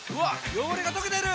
汚れが溶けてる！